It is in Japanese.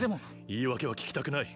言い訳は聞きたくない。